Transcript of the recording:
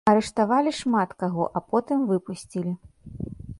Арыштавалі шмат каго, а потым выпусцілі.